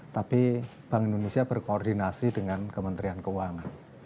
tapi bank indonesia berkoordinasi dengan kementerian keuangan